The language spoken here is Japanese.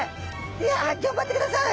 いや頑張ってください！